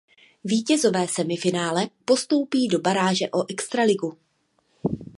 Vítězové semifinále postoupí do baráže o extraligu.